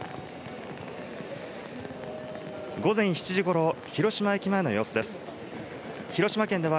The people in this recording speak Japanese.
午前７時頃、広島駅前の様子です。